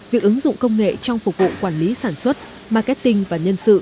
việc ứng dụng công nghệ trong phục vụ quản lý sản xuất marketing và nhân sự